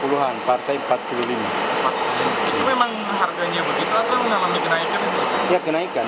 itu memang harganya begitu atau mengalami kenaikan